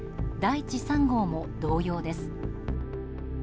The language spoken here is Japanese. いち３号」も同様です。